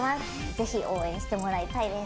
ぜひ応援してもらいたいです。